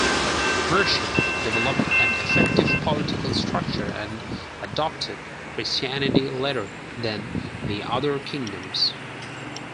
Mercia developed an effective political structure and adopted Christianity later than the other kingdoms.